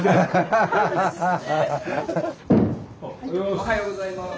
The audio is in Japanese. おはようございます。